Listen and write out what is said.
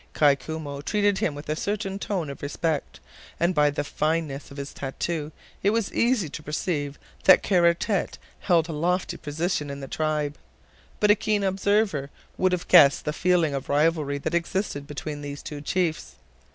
Kai Koumou treated him with a certain tone of respect, and by the fineness of his tattoo, it was easy to perceive that Kara Tete held a lofty position in the tribe, but a keen observer would have guessed the feeling of rivalry that existed between these two chiefs.